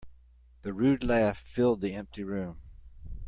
The rude laugh filled the empty room.